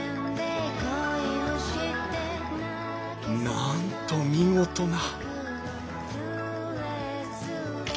なんと見事な！